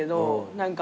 何か。